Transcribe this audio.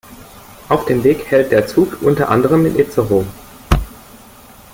Auf dem Weg hält der Zug unter anderem in Itzehoe.